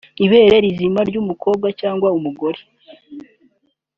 Ibere rizima ry’umukobwa cyangwa umugore